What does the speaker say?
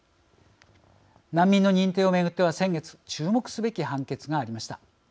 難民の認定を巡っては先月注目すべき判決がありました。